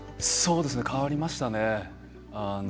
変わりましたね。